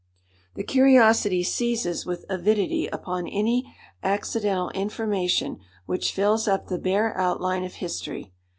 The curiosity seizes with avidity upon any accidental information which fills up the bare outline of history.